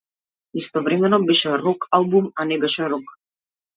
Истовремено беше рок-албум, а не беше рок.